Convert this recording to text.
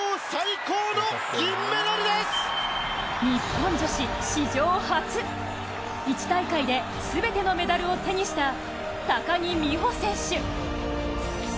日本女子史上初一大会で全てのメダルを手にした高木美帆選手。